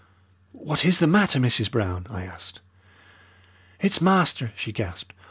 "What is the matter, Mrs. Brown?" I asked. "It's master!" she gasped.